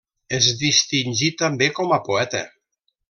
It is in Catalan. Es distingí també com a poeta.